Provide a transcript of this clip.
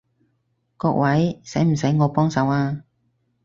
各位，使唔使我幫手啊？